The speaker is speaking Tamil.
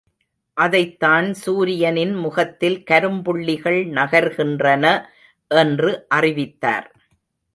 அதைத்தான் சூரியனின் முகத்தில் கரும்புள்ளிகள் நகர்கின்றன என்று அறிவித்தார்.